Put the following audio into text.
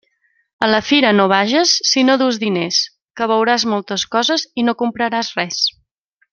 A la fira no vages si no dus diners, que veuràs moltes coses i no compraràs res.